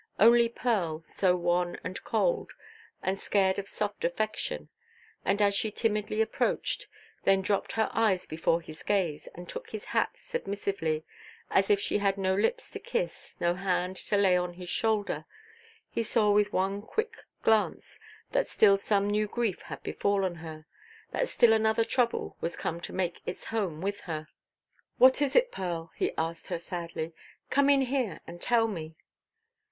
Only Pearl, so wan and cold, and scared of soft affection. And as she timidly approached, then dropped her eyes before his gaze, and took his hat submissively, as if she had no lips to kiss, no hand to lay on his shoulder, he saw with one quick glance that still some new grief had befallen her, that still another trouble was come to make its home with her. "What is it, Pearl?" he asked her, sadly; "come in here and tell me."